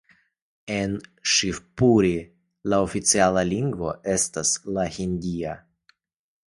En Ŝivpuri la oficiala lingvo estas la hindia.